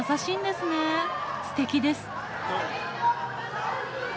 すてきです。